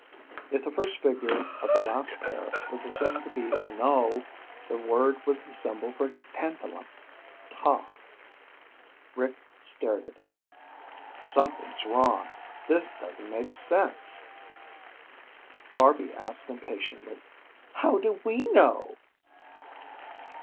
If the first figure of the last pair was assumed to be a null, the word was the symbol for tantalum: "Ta." Rick stared at it. "Something's wrong. This doesn't make sense." Barby asked impatiently, "How do we know?"